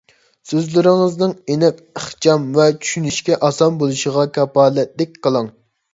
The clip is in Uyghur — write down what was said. سۆزلىرىڭىزنىڭ ئېنىق، ئىخچام ۋە چۈشىنىشكە ئاسان بولۇشىغا كاپالەتلىك قىلىڭ.